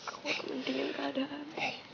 aku kepentingan keadaan